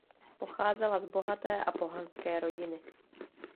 Pocházela z bohaté a pohanské rodiny.